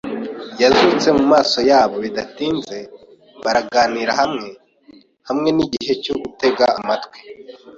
yazutse mu maso yabo. Bidatinze, baraganira hamwe, hamwe nigihe cyo gutega amatwi;